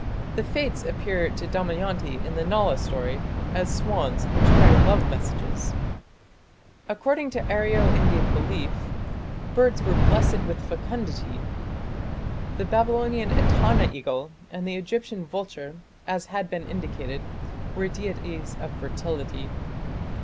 The "Fates" appear to Damayanti in the Nala story as swans which carry love messages. According to Aryo Indian belief, birds were "blessed with fecundity". The Babylonian Etana eagle and the Egyptian vulture, as has been indicated, were deities of fertility.